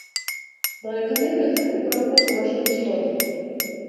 Додека некој друг управува со нашите животи.